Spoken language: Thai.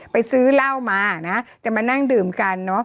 ไปซื้อเหล้ามาจะมานั่งดื่มกัน